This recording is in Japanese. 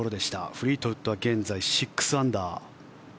フリートウッドは現在６アンダー。